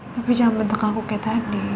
tapi jangan benteng aku kaya tadi